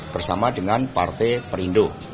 bersama dengan partai perindo